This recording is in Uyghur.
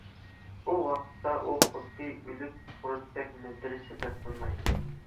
بۇ ۋاقىتتا ئۇ خۇددى ئۆلۈك قۇرۇتتەك مىدىر-سىدىر قىلمايدۇ.